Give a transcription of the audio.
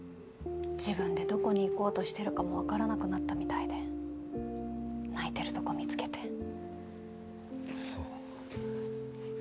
自分でどこに行こうとしてるかもわからなくなったみたいで泣いてるとこ見つけて。